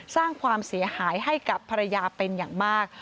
สร้างความเสียหายให้กับภรรยาเป็นอย่างมาก